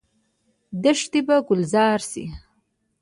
دښتې به ګلزار شي؟